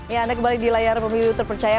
ya anda kembali di layar pemilu terpercaya